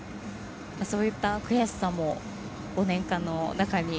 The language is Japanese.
そういった悔しさも５年間の中に。